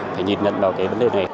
phải nhìn nhận vào cái vấn đề này